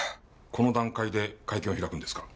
この段階で会見を開くんですか？